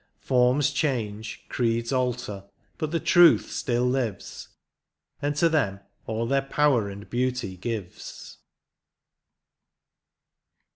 Forms change, creeds alter, but the truth still lives. And to them all their power and beauty gives.